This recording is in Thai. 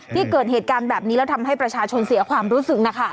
เกิดเหตุการณ์แบบนี้แล้วทำให้ประชาชนเสียความรู้สึกนะคะ